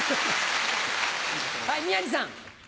はい宮治さん。